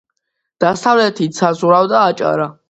დასავლეთით საზღვრავდა აჭარა.